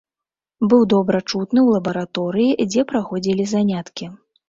Быў добра чутны ў лабараторыі, дзе праходзілі заняткі.